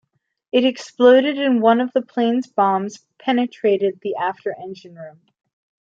It exploded and one of the plane's bombs penetrated the after engine room.